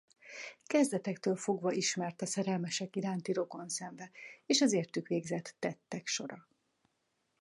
Kezdetektől fogva ismert a szerelmesek iránti rokonszenve és az értük végzett tettek sora.